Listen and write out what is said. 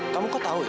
kamu kok tahu ya